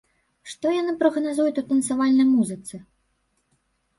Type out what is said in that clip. Што яны прагназуюць у танцавальнай музыцы?